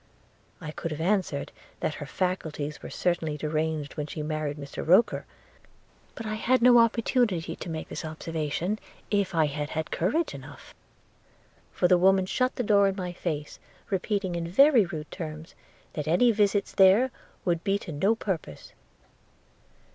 I could have answered, that her faculties were certainly deranged when she married Mr Roker; but I had no opportunity to make this observation if I had had courage enough – for the woman shut the door in my face, repeating in very rude terms, 'that any visits there would be to no purpose.'